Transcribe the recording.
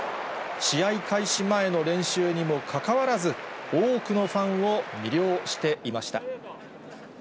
試合開始前の練習にもかかわらず、多くのファンを魅了していました。